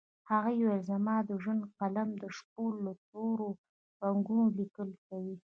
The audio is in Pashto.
هغې وويل چې زما د ژوند قلم د شپو له تورو رګونو ليکل کوي